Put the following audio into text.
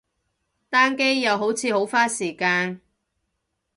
單機，又好似好花時間